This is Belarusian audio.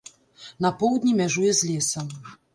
На поўдні мяжуе з лесам.